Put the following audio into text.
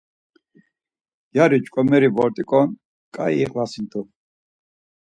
Gyari ç̌ǩomeri vort̆iǩon ǩai iqvasint̆u.